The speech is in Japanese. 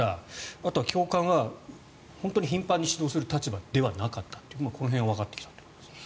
あとは教官は本当に頻繁に指導する立場ではなかったとこの辺はわかってきたと。